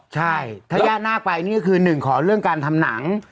ถ้าแย่นาคไปนี่ก็คือ๑ขอเรื่องการทำหนัง